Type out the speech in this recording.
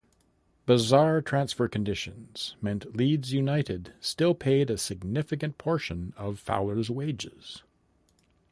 Bizarre transfer conditions meant Leeds United still paid a significant proportion of Fowler's wages.